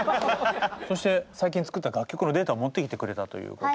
そして最近作った楽曲のデータを持ってきてくれたということで。